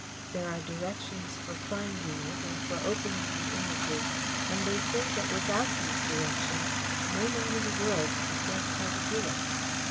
There are directions for finding it, and for opening the Images, and they say that without these directions no man in the world could guess how to do it.